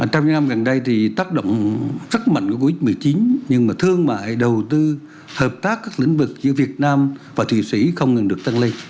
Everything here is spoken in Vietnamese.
trong những năm gần đây thì tác động rất mạnh của covid một mươi chín nhưng mà thương mại đầu tư hợp tác các lĩnh vực giữa việt nam và thụy sĩ không ngừng được tăng ly